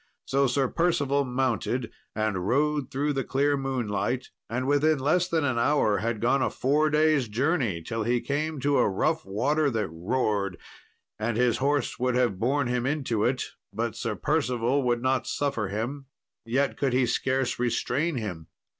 So Sir Percival mounted, and rode through the clear moonlight, and within less than an hour had gone a four days' journey, till he came to a rough water that roared; and his horse would have borne him into it, but Sir Percival would not suffer him, yet could he scarce restrain him.